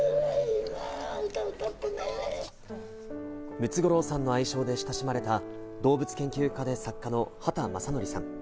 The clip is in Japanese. ムツゴロウさんの愛称で親しまれた動物研究家で作家の畑正憲さん。